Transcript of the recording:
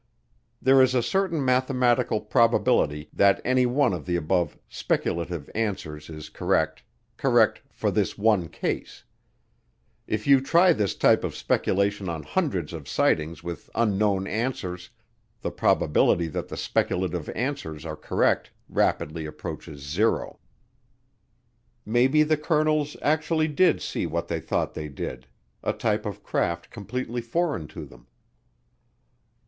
There is a certain mathematical probability that any one of the above speculative answers is correct correct for this one case. If you try this type of speculation on hundreds of sightings with "unknown" answers, the probability that the speculative answers are correct rapidly approaches zero. Maybe the colonels actually did see what they thought they did, a type of craft completely foreign to them.